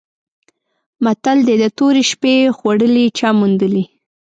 متل دی: د تورې شپې خوړلي چا موندلي؟